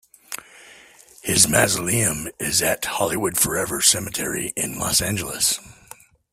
His mausoleum is at Hollywood Forever Cemetery in Los Angeles.